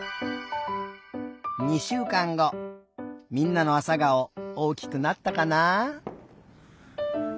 みんなのあさがおおおきくなったかなあ。